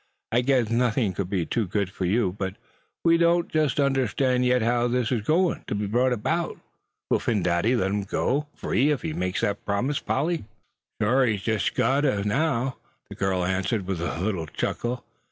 "I guess nothing could be too good for you. But we don't just understand yet how this is going to be brought about. Will Phin Dady let him go free if he makes that promise, Polly?" "Shore, he's jest got ter, now," the girl answered, with a little chuckle.